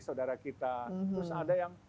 saudara kita terus ada yang